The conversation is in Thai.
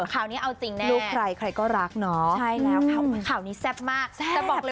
คราวนี้เอาจริงแน่ใช่แล้วค่าวนี้แซ่บมากแต่บอกเลยว่า